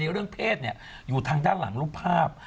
เรื่องเพศอยู่ทางด้านหลังรูปภาพ